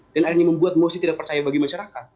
dan akhirnya membuat mosi tidak percaya bagi masyarakat